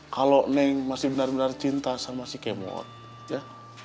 kalau neng masih benar benar cinta sama si kemon ya